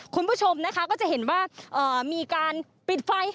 คุณผู้ชมนะคะก็จะเห็นว่ามีการปิดไฟ